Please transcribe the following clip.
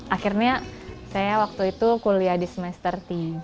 akhirnya saya waktu itu kuliah di semester tiga